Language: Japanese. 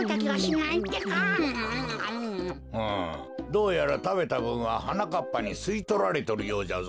うんどうやらたべたぶんははなかっぱにすいとられとるようじゃぞ。